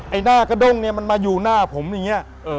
ไอ้หน้ากระด้งเนี่ยมันมาอยู่หน้าผมอย่างนี้